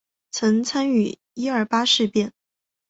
曾参与一二八事变。